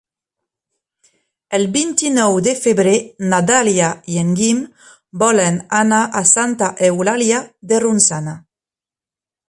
El vint-i-nou de febrer na Dàlia i en Guim volen anar a Santa Eulàlia de Ronçana.